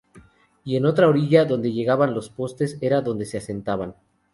Y en la orilla donde llegaban los postes era donde se asentaban.